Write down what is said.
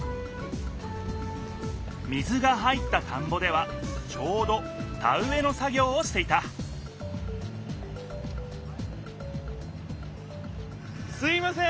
水が入った田んぼではちょうど田うえの作ぎょうをしていたすみません！